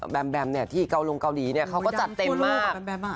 แมมที่เกาลงเกาหลีเขาก็จัดเต็มมาก